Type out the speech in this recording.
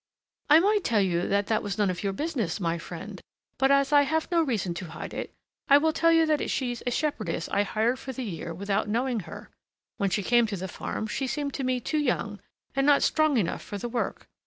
"I might tell you that that was none of your business, my friend, but as I have no reason to hide it, I will tell you that she's a shepherdess I hired for the year without knowing her. When she came to the farm, she seemed to me too young and not strong enough for the work.